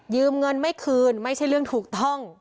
เงินไม่คืนไม่ใช่เรื่องถูกต้อง